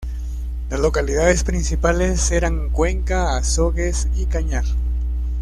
Las localidades principales eran Cuenca, Azogues y Cañar.